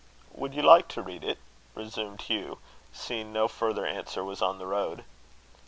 "Would you like to read it?" resumed Hugh, seeing no further answer was on the road.